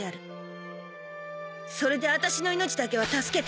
それであたしの命だけは助けて